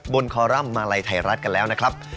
คอรัมป์มาลัยไทยรัฐกันแล้วนะครับ